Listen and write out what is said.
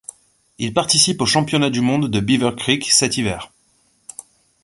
Il participe aux Championnats du monde de Beaver Creek cet hiver.